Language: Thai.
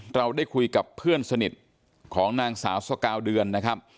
เราได้คุยกับเพื่อนสนิทของนางสาวสกาวเดือนนะครับ